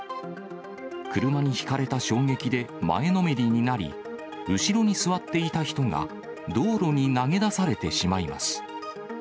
車にひかれた衝撃で前のめりになり、後ろに座っていた人が道路に投げ出されてしまいます。